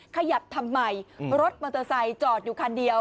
ขยับทำไมรถมอเตอร์ไซค์จอดอยู่คันเดียว